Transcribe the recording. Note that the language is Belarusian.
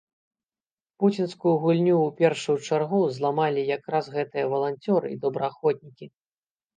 Пуцінскую гульню ў першую чаргу зламалі як раз гэтыя валанцёры і добраахвотнікі.